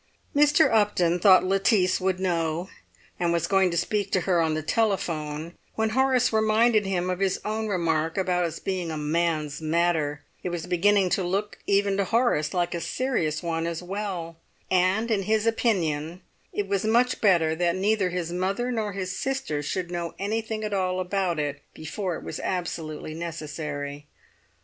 Mr. Upton thought Lettice would know, and was going to speak to her on the telephone when Horace reminded him of his own remark about its being "a man's matter"; it was beginning to look, even to Horace, like a serious one as well, and in his opinion it was much better that neither his mother nor his sister should know anything at all about it before it was absolutely necessary.